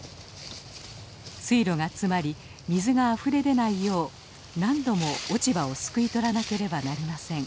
水路が詰まり水があふれ出ないよう何度も落ち葉をすくい取らなければなりません。